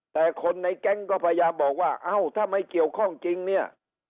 แต่คนในแก๊งก็พยายามบอกว่าเอ้าถ้าไม่เกี่ยวข้องจริงเนี่ย